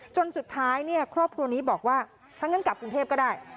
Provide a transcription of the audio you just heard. จนสุดท้ายครอบครัวนี้บอกว่าถ้างั้นกลับกรุงเทพก็ได้